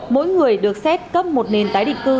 mỗi người được xét cấp một nền tái định cư